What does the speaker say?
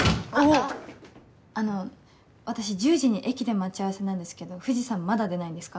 あの私１０時に駅で待ち合わせなんですけど藤さんまだ出ないんですか？